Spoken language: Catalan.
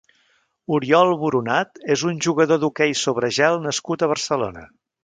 Oriol Boronat és un jugador d'hoquei sobre gel nascut a Barcelona.